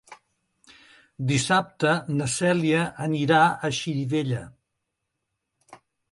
Dissabte na Cèlia anirà a Xirivella.